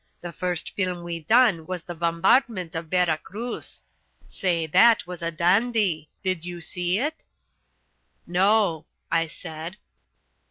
The first film we done was the bombardment of Vera Cruz. Say, that was a dandy; did you see it?" "No," I said.